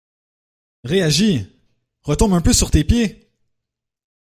Réagis, retombe un peu sur tes pieds!